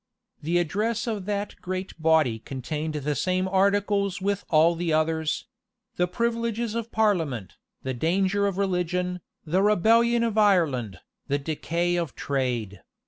[] The address of that great body contained the same articles with all the others; the privileges of parliament, the danger of religion, the rebellion of Ireland, the decay of trade.